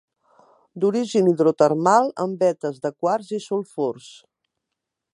D'origen hidrotermal en vetes de quars i sulfurs.